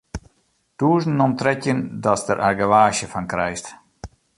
Tûzen om trettjin datst der argewaasje fan krijst.